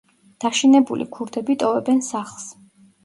დაშინებული ქურდები ტოვებენ სახლს.